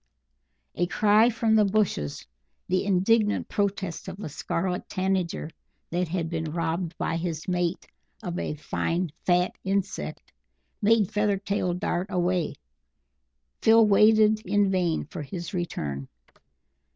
A cry from the bushes the indignant protest of a Scarlet Tanager, that had been robbed by his mate of a fine fat insect made Feathertail dart away. Phil waited in vain for his return.